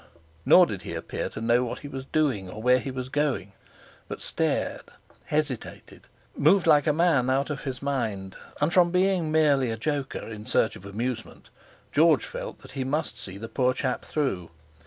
Nor did he appear to know what he was doing, or where going; but stared, hesitated, moved like a man out of his mind; and from being merely a joker in search of amusement, George felt that he must see the poor chap through.